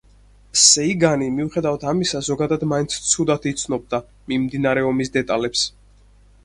სეიგანი, მიუხედავად ამისა, ზოგადად მაინც ცუდად იცნობდა მიმდინარე ომის დეტალებს.